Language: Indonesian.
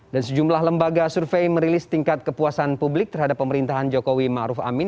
dan sejumlah lembaga survei merilis tingkat kepuasan publik terhadap pemerintahan jokowi ma'ruf amin